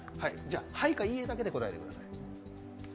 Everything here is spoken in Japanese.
はいか、いいえだけで答えてください。